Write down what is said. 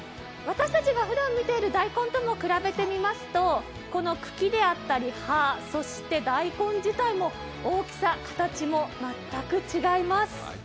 私たちがふだん見ている大根と比べてみますと、茎であったり葉、大根自体も大きさ、形も全く違います。